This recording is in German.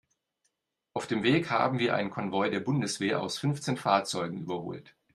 Auf dem Weg haben wir einen Konvoi der Bundeswehr aus fünfzehn Fahrzeugen überholt.